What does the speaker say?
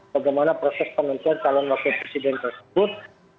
bagaimana proses pengantin calon lokal presiden tersebut